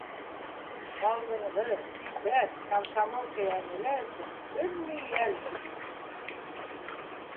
Алдынғы сибәр комсомолка Йәмилә өсөн бер ни йәл түгел.